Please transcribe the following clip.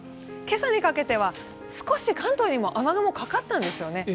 今朝にかけては少し関東にも雨雲かかったんですよね。